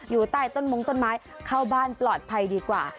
อยู่ใต้ต้นมงต้นไม้เข้าบ้านปลอดภัยดีกว่า